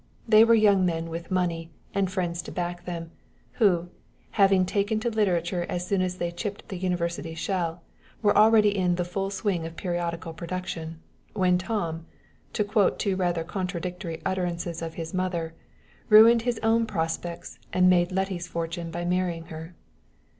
They were young men with money and friends to back them, who, having taken to literature as soon as they chipped the university shell, were already in the full swing of periodical production, when Tom, to quote two rather contradictory utterances of his mother, ruined his own prospects and made Letty's fortune by marrying her.